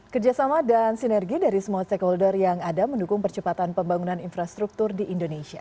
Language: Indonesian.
kerjasama dan sinergi dari semua stakeholder yang ada mendukung percepatan pembangunan infrastruktur di indonesia